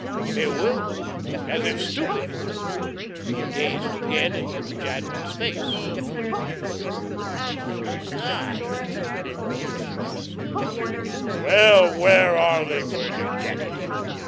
Bewildered, and as if stupefied, he gazed again into Jadwin's face. "My God!" he murmured at last. "Well, where are they going to get it?"